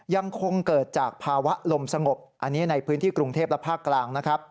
ยังคงเกิดจากภาวะลมสงบอันนี้ในพื้นที่กรุงเทพและภาคกลางนะครับ